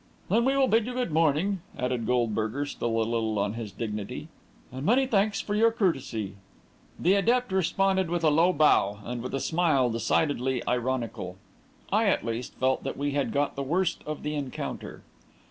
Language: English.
"Then we will bid you good morning," added Goldberger, still a little on his dignity. "And many thanks for your courtesy." The adept responded with a low bow and with a smile decidedly ironical. I, at least, felt that we had got the worst of the encounter.